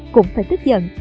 cũng phải tức giận